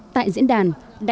tại diễn đàn